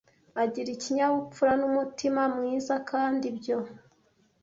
agira ikinyabupfura n’umutima mwiza kandi ibyo